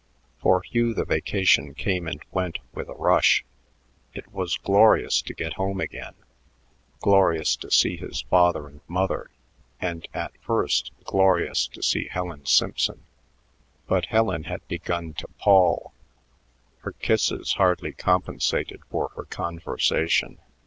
For Hugh the vacation came and went with a rush. It was glorious to get home again, glorious to see his father and mother, and, at first, glorious to see Helen Simpson. But Helen had begun to pall; her kisses hardly compensated for her conversation.